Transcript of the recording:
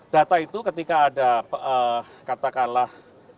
data itu ketika ada katakanlah